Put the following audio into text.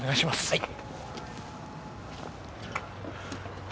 はい。